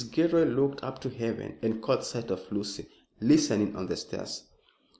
Gilroy looked up to heaven and caught sight of Lucy listening on the stairs.